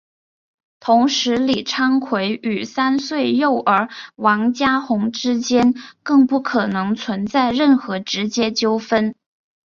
同时李昌奎与三岁幼儿王家红之间更不可能存在任何直接纠纷。